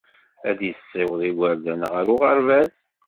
Ad yessiweḍ igerdan ɣer uɣerbaz.